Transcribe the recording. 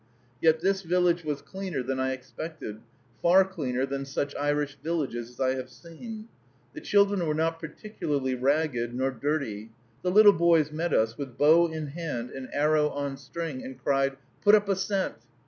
Yet this village was cleaner than I expected, far cleaner than such Irish villages as I have seen. The children were not particularly ragged nor dirty. The little boys met us with bow in hand and arrow on string, and cried, "Put up a cent."